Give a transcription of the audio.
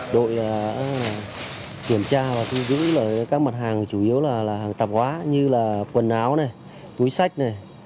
đội kiểm tra và thu giữ các mặt hàng chủ yếu là hàng tạp hóa như là quần áo này túi sách này